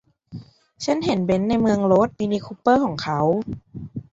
ฉันเห็นเบ็นในเมืองรถ มินิคูเปอร์ของเขา